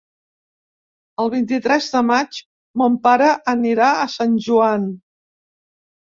El vint-i-tres de maig mon pare anirà a Sant Joan.